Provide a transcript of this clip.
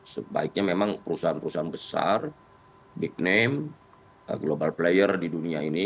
sebaiknya memang perusahaan perusahaan besar bigname global player di dunia ini